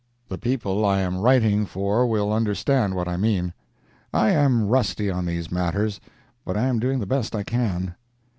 The people I am writing for will understand what I mean. I am rusty on these matters, but I am doing the best I can.